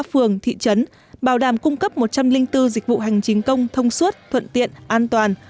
phường thị trấn bảo đảm cung cấp một trăm linh bốn dịch vụ hành chính công thông suốt thuận tiện an toàn